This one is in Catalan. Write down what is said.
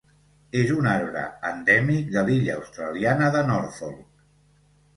És un arbre endèmic de l'illa australiana de Norfolk.